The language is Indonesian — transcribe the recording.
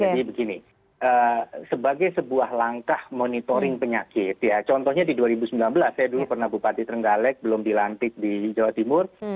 jadi begini sebagai sebuah langkah monitoring penyakit ya contohnya di dua ribu sembilan belas saya dulu pernah bupati trenggalek belum dilantik di jawa timur